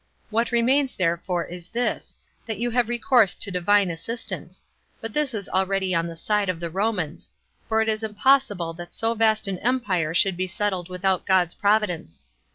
What remains, therefore, is this, that you have recourse to Divine assistance; but this is already on the side of the Romans; for it is impossible that so vast an empire should be settled without God's providence.